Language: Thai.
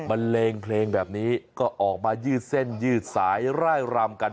เลงเพลงแบบนี้ก็ออกมายืดเส้นยืดสายร่ายรำกัน